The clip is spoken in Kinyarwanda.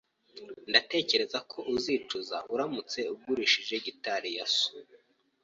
Ndatekereza ko uzicuza uramutse ugurishije gitari ya so.